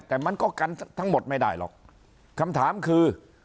แต่มันก็กันทั้งหมดไม่ได้หรอกคำถามคือ